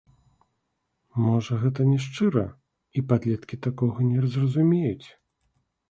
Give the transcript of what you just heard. Можа, гэта няшчыра, і падлеткі такога не зразумеюць?